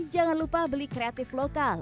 jangan lupa beli kreatif lokal